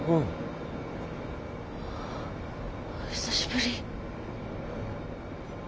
久しぶり。